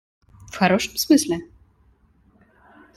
В хорошем смысле?